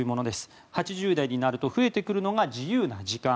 ８０代になると増えてくるのが自由な時間。